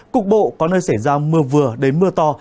cục bộ có nơi xảy ra mưa vừa đến mưa to